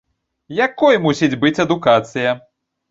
Якой мусіць быць адукацыя?